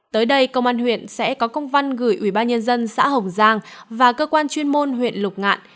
tới đây công an huyện sẽ có công văn gửi ủy ban nhân dân xã hồng giang và cơ quan chuyên môn huyện lục ngạn